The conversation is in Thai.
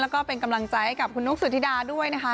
แล้วก็เป็นกำลังใจให้กับคุณนุ๊กสุธิดาด้วยนะคะ